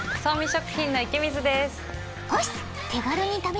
食品の池水です。